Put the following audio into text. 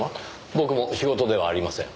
僕も仕事ではありません。